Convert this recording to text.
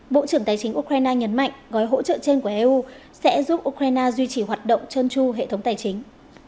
bộ trưởng tài chính ukraine nhấn mạnh gói hỗ trợ trên của eu sẽ giúp ukraine duy trì hoạt động chân tru hệ thống tài chính